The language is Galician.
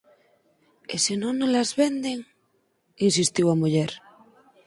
E se non nolas venden? −insistiu a muller.